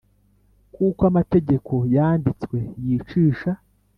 kuko amategeko yanditswe yicisha